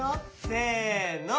せの！